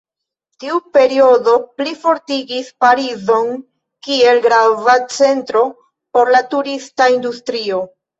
Tiu periodo plifortigis Parizon kiel grava centro por la turista industrio.